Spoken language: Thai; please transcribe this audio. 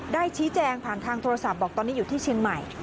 ชี้แจงผ่านทางโทรศัพท์บอกตอนนี้อยู่ที่เชียงใหม่